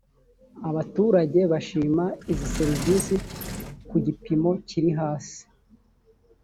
abaturage bashima izi serivisi ku gipimo kiri hasi